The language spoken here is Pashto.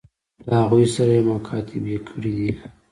له هغوی سره یې مکاتبې کړي دي.